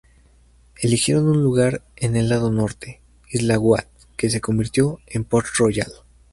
Eligieron un lugar en el lado norte, isla Goat, que se convirtió en Port-Royal.